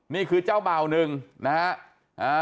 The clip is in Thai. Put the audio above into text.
นี่คือเจ้าเบ่าหนึ่งนะฮะ